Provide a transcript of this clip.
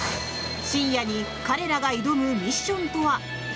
深夜に彼らが挑むミッションとは。